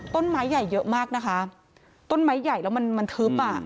ต้นไม้ใหญ่เยอะมากนะคะต้นไม้ใหญ่แล้วมันมันทึบอ่ะ